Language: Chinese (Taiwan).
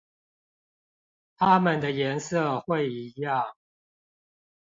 它們的顏色會一樣